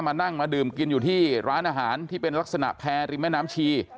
มานั่งมาดื่มกินอยู่ที่ร้านอาหารที่เป็นลักษณะแพร่ริมแม่น้ำชี